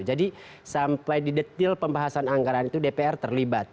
jadi sampai di detil pembahasan anggaran itu dpr terlibat